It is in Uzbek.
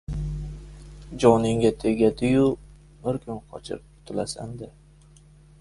Joningga tegadi-yu, bir kuni qochib qutilasan-da..